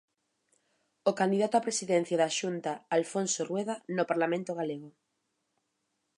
O candidato á presidencia da Xunta, Alfonso Rueda, no Parlamento galego.